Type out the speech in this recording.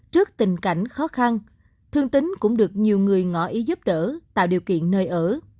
trước tình cảnh khó khăn thương tính cũng được nhiều người ngỏ ý giúp đỡ tạo điều kiện nơi ở